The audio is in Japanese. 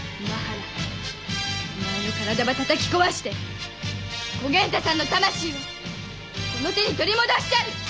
羅お前の体ばたたき壊して小源太さんの魂をこの手に取り戻しちゃる！